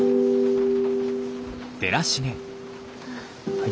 はい。